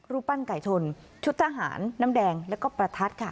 รูปปั้นไก่ชนชุดทหารน้ำแดงแล้วก็ประทัดค่ะ